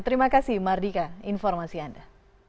terima kasih mardika informasi anda